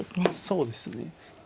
そうですね。